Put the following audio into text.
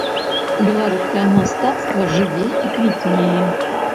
Беларускае мастацтва жыве і квітнее.